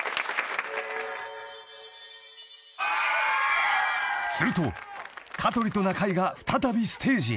［すると香取と中居が再びステージへ］